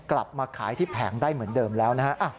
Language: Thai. กลับมาขายที่แผงได้เหมือนเดิมแล้วนะฮะ